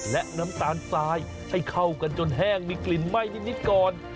และน้ำตาลทรายให้เข้ากันจนแห้งมีกลิ่นไหม้นิดก่อน